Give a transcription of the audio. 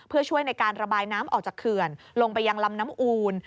เพื่อช่วยในการระบายน้ำออกจากเขื่อนลงไปยังลำน้ำอูล